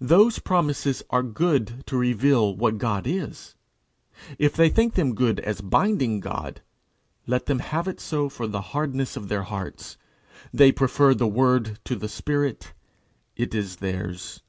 Those promises are good to reveal what God is; if they think them good as binding God, let them have it so for the hardness of their hearts. They prefer the Word to the Spirit: it is theirs.